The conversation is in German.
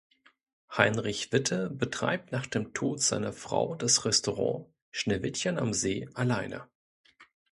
Heinrich Witte betreibt nach dem Tod seiner Frau das Restaurant „Schneewittchen am See“ alleine.